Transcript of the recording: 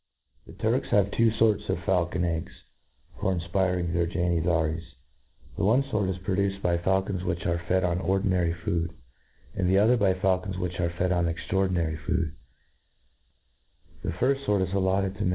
' The Turks have two forts of faulcbn eggs for infpiriting their Janizaries. The one fort is pro duced by faulcons which are fed on ordinary food, and the other by faulcons which are fed on extraordinary food» The firft fort is allotted to.